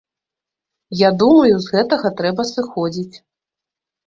Я думаю, з гэтага трэба сыходзіць.